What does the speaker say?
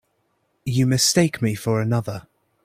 You mistake me for another.